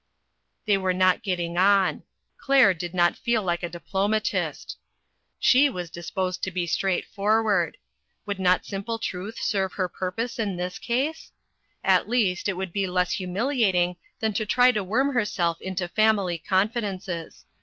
They were not getting on. Claire did not feel like a diplomatist. She was dis posed to be straightforward. Would not sim ple truth serve her purpose in this case ? At least, it would be less humiliating than to try to worm herself into family confi dences.